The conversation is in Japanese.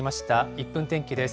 １分天気です。